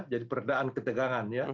jadi perdaan ketegangan